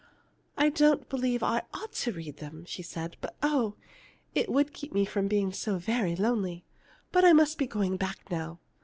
"I don't believe I ought to read them," she said; "but, oh! it would keep me from being so very lonely. But I must be going back now.